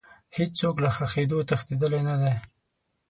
هیڅ څوک له ښخېدو تښتېدلی نه دی.